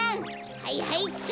はいはいっちょ！